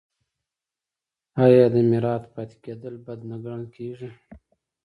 آیا د میرات پاتې کیدل بد نه ګڼل کیږي؟